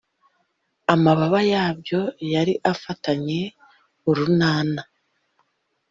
Amababa yabyo yari afatanye urunana